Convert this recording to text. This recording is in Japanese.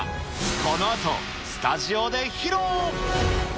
このあとスタジオで披露。